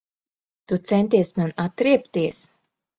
Tu centies man atriebties.